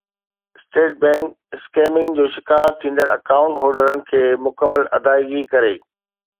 state bank skimming جو شڪار ٿيندڙ اڪائونٽ هولڊرز کي مڪمل ادائيگي ڪري